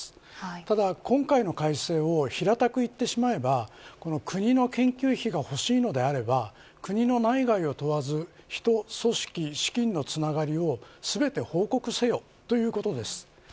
ただ今回の改正を平たく言えば国の研究費がほしいのであれば国の内外を問わず人、組織、資金のつながりを全て報告せよ、ということです。